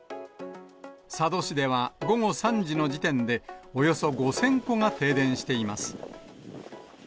佐渡市では午後３時の時点で、およそ５０００戸が停電しています。